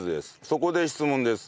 そこで質問です。